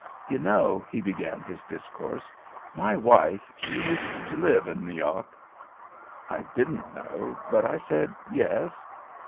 "You know," he began his discourse, "my wife she uset to live in N' York!" I didn't know, but I said "Yes."